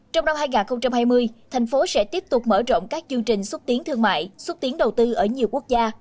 trong năm hai nghìn hai mươi thành phố sẽ tiếp tục mở rộng các chương trình xúc tiến thương mại xuất tiến đầu tư ở nhiều quốc gia